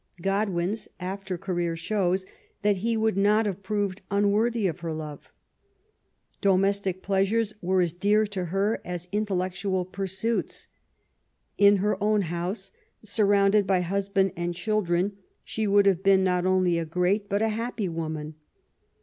Godwin's after career shows that he would not have proved unworthy of her love. Domestic pleasures were as dear to her as intellectual pursuits. In her own house, surrounded by husband and children, she would have been not only a great but a happy woman.